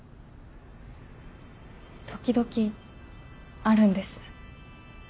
時々あるんです。